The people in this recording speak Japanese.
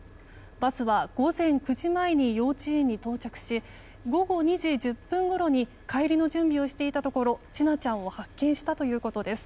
バスは午前９時前に幼稚園に到着し午後２時１０分ごろに帰りの準備をしていたところ千奈ちゃんを発見したということです。